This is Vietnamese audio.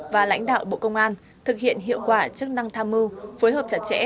và lãnh đạo bộ công an thực hiện hiệu quả chức năng tham mưu phối hợp chặt chẽ